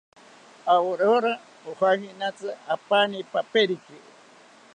Aurora ojankinatzi apani peperiki